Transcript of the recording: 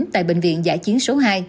tại bệnh viện dạ chiến số hai